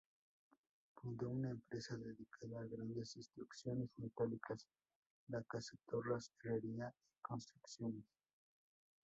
Fundó una empresa dedicada a grandes construcciones metálicas: "la Casa Torras, Herrería y Construcciones".